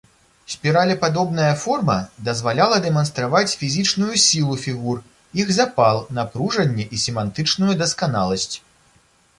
Спіралепадобная форма дазваляла дэманстраваць фізічную сілу фігур, іх запал, напружанне і семантычную дасканаласць.